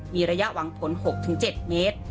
มีระยะหวังผล๖๗เมตร